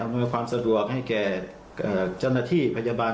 มีความสะดวกให้แก่เจ้าหน้าที่พยาบาล